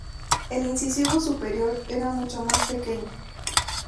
El incisivo superior era mucho más pequeño.